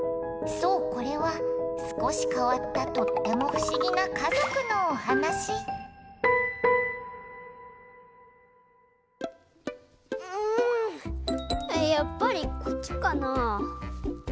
そうこれはすこしかわったとってもふしぎなかぞくのおはなしうんやっぱりこっちかなぁ？